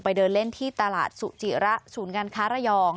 เดินเล่นที่ตลาดสุจิระศูนย์การค้าระยอง